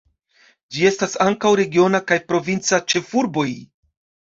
Ĝi estas ankaŭ regiona kaj provinca ĉefurboj.